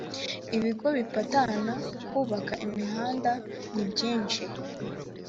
ibigo bipatana kubaka imihanda nibyishi.